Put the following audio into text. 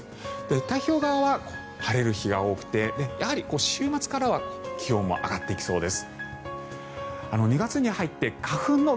太平洋側は晴れる日が多くてやはり週末からは気温も上がっていきそうです。